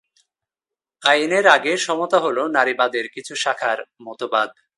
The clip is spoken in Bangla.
আইনের আগে সমতা হলো নারীবাদের কিছু শাখার মতবাদ।